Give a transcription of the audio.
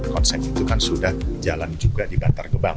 konsep itu kan sudah jalan juga di bantar gebang